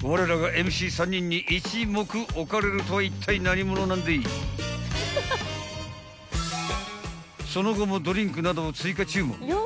［われらがＭＣ３人に一目置かれるとはいったい何者なんでい？］［その後もドリンクなどを追加注文］